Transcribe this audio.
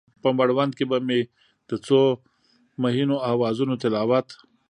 په مړوند کې به مې د څو مهینو اوازونو تلاوت،